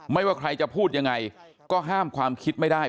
ว่าใครจะพูดยังไงก็ห้ามความคิดไม่ได้